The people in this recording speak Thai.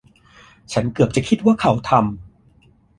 ฉันเกือบจะคิดว่าเขาทำ